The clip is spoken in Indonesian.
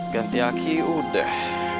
ganti aki udah